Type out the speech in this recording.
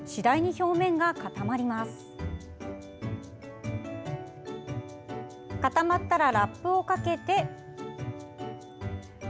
表面が固まったらラップをかけて。